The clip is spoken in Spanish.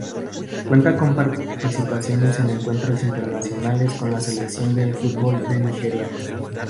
Cuenta con participaciones en encuentros internacionales con la selección de fútbol de Nigeria.